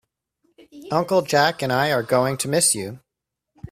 Uncle Jack and I are going to miss you.